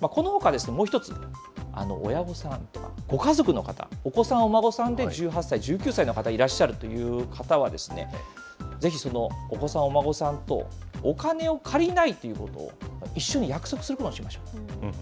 このほか、もう１つ、親御さんとか、ご家族の方、お子さん、お孫さんで１８歳、１９歳の方いらっしゃるという方はですね、ぜひそのお子さん、お孫さんと、お金を借りないということを一緒に約束することにしましょう。